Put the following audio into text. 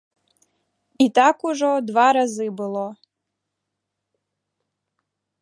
І так ужо два разы было.